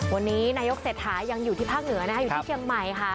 วันนี้นายกเศรษฐายังอยู่ที่ภาคเหนือนะคะอยู่ที่เชียงใหม่ค่ะ